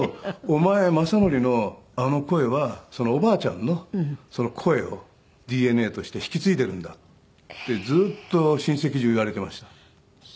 「お前公則のあの声はおばあちゃんの声をＤＮＡとして引き継いでるんだ」ってずっと親戚中言われていました。